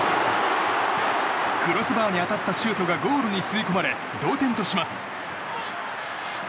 クロスバーに当たったシュートがゴールに吸い込まれ同点とします。